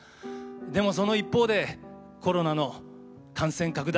でもその一方でコロナの感染拡大。